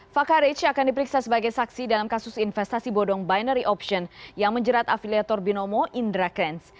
fakharic akan diperiksa sebagai saksi dalam kasus investasi bodong binary option yang menjerat afiliator binomo indra kents